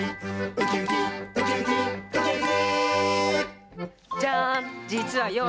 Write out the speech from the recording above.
「ウキウキウキウキウキウキ」